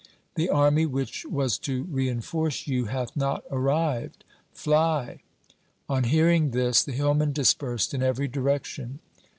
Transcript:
The army which was to reinforce you hath not arrived. Fly !' On hearing this the hillmen dispersed in every direc tion.